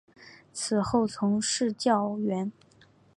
此后从事教员。